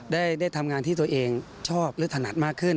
ได้ทำงานที่ตัวเองชอบหรือถนัดมากขึ้น